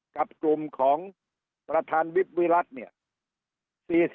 กับกลุ่มของประธานวิทย์วิรัติเนี่ย